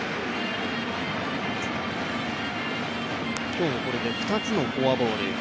今日これで２つのフォアボール。